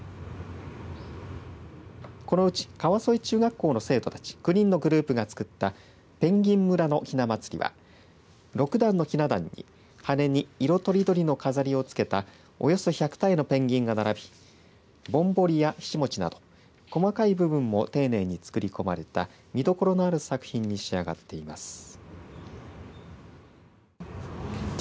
このうち川副中学校の生徒たち９人のグループが作ったペンギン村のひなまつりは６段のひな壇に羽に色とりどりの飾りをつけたおよそ１００体のペンギンが並びぼんぼりやひしもちなど細かい部分も丁寧に作り込まれた見どころのある作品に仕上がっています。